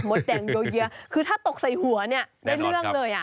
มดแดงเยอะคือถ้าตกใส่หัวได้เรื่องเลย